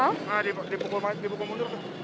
nah dipukul mundur